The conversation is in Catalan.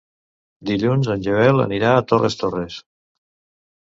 Dilluns en Joel anirà a Torres Torres.